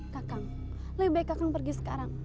kekang lebih baik kakak pergi sekarang